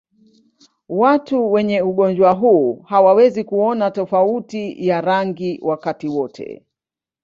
Watu wenye ugonjwa huu hawawezi kuona tofauti ya rangi wakati wote.